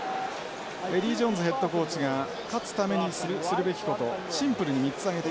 エディージョーンズヘッドコーチが勝つためにするべきことをシンプルに３つ挙げて。